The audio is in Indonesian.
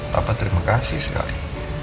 papa terima kasih sekali